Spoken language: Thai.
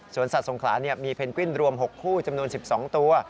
สัตสงขลามีเพนกวินรวม๖คู่จำนวน๑๒ตัว